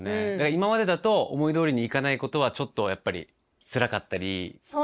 今までだと思いどおりにいかないことはちょっとやっぱりつらかったり怖かったり。